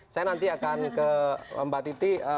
saya nanti akan ke mbak titi